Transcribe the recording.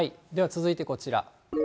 では続いてこちら。